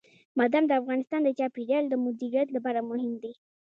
بادام د افغانستان د چاپیریال د مدیریت لپاره مهم دي.